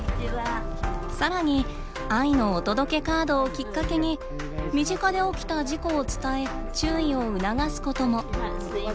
さらに「愛のお届けカード」をきっかけに身近で起きた事故を伝え注意を促すことも。